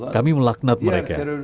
kami melaknat mereka